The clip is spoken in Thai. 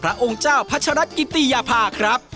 พระองค์เจ้าพระชรัตน์กิติยภาพครับ